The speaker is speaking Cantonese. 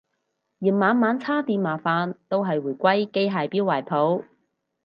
嫌晚晚叉電麻煩都係回歸機械錶懷抱